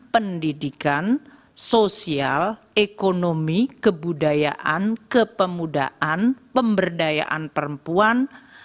pendidikan sosial ekonomi kebudayaan kepemudaan pemberdayaan perempuan